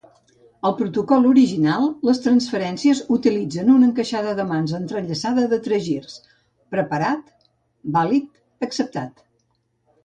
Al protocol original, les transferències utilitzen una encaixada de mans entrellaçada de tres girs "preparat-vàlid-acceptat".